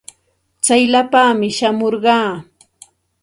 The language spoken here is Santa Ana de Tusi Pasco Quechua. Tsayllapaami shamurqaa.